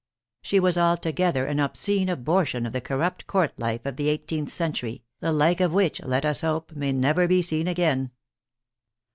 She was altogether an obscene abortion of the corrupt court life of the i8th century, the like of which, let us hope, may never be seen again.